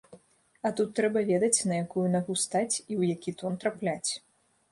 А тут трэба ведаць, на якую нагу стаць і ў які тон трапляць.